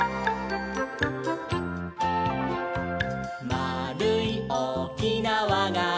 「まあるいおおきなわがあれば」